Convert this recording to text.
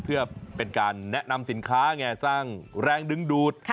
เพื่อเป็นการแนะนำสินค้าไงสร้างแรงดึงดูด